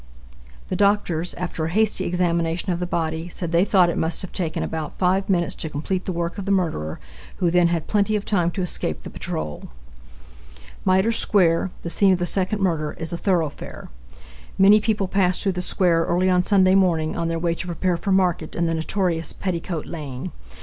The doctors, after a hasty examination of the body, said they thought it must have taken about five minutes to complete the work of the murderer, who then had plenty of time to escape the patrol. Mitre square, the scene of the second murder, is a thoroughfare. Many people pass through the square early on Sunday morning on their way to prepare for market in the notorious Petticoat lane.